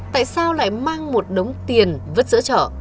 tại sao lại mang một đống tiền vứt giữa trở